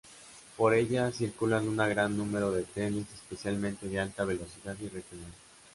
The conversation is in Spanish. Por ella circulan un gran número de trenes especialmente de alta velocidad y regionales.